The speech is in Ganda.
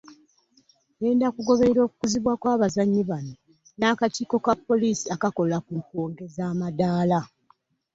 ŋŋenda kugoberera okukuzibwa kw’abazannyi bano, n’akakiiko ka poliisi akakola ku kwongeza amadaala